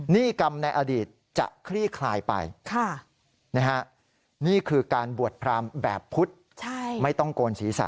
นี่กรรมในอดีตจะคลี่คลายไปนี่คือการบวชพรามแบบพุธไม่ต้องโกนศีรษะ